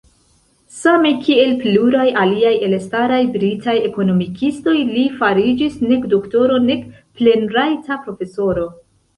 Same kiel pluraj aliaj elstaraj britaj ekonomikistoj, li fariĝis nek doktoro nek plenrajta profesoro.